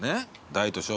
大と小。